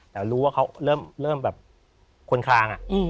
แต่รู้ว่าเขาเริ่มแบบคนคลาง